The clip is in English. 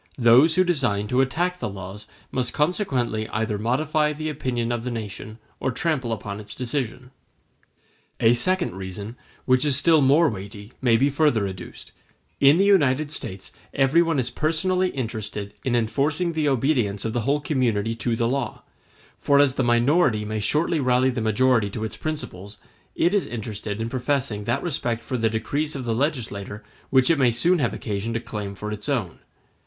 Those who design to attack the laws must consequently either modify the opinion of the nation or trample upon its decision. A second reason, which is still more weighty, may be further adduced; in the United States everyone is personally interested in enforcing the obedience of the whole community to the law; for as the minority may shortly rally the majority to its principles, it is interested in professing that respect for the decrees of the legislator which it may soon have occasion to claim for its own.